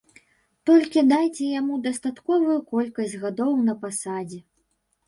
Толькі дайце яму дастатковую колькасць гадоў на пасадзе.